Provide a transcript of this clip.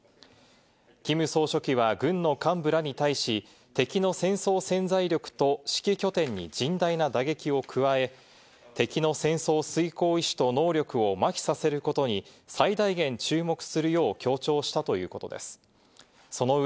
キム総書記は軍の幹部らに対し、敵の戦争潜在力と指揮拠点に甚大な打撃を加え、敵の戦争遂行意思と能力をまひさせることに最大限注目するよう強調したということです。